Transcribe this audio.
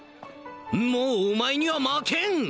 もうお前には負けん！